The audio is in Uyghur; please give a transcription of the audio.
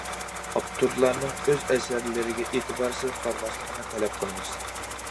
ئاپتورلارنىڭ ئۆز ئەسەرلىرىگە ئېتىبارسىز قارىماسلىقىنى تەلەپ قىلىمىز.